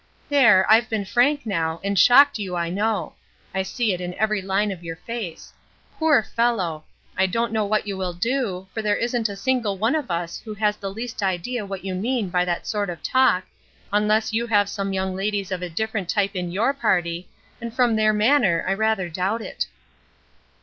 There, I've been frank now, and shocked you, I know. I see it in every line of your face. Poor fellow! I don't know what you will do, for there isn't a single one of us who has the least idea what you mean by that sort of talk, unless you have some young ladies of a different type in your party, and from their manner I rather doubt it."